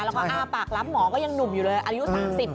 แล้วก็อ้าปากรับหมอก็ยังหนุ่มอยู่เลยอายุ๓๐